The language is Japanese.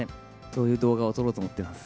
そういう動画を撮ろうと思っています。